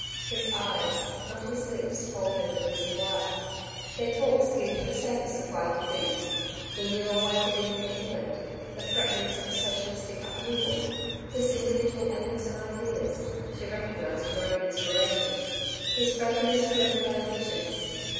His eyes, not his lips told her the reason why. Their talk skimmed the surface of vital things the new awakening in England; the threatenings of a socialistic upheaval; his individual aims and ideas she recognised her own inspirations. He spoke of his political ambitions.